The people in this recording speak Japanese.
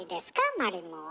マリモは。